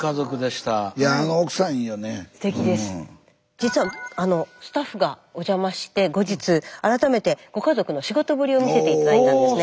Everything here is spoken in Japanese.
実はスタッフがお邪魔して後日改めてご家族の仕事ぶりを見せて頂いたんですね。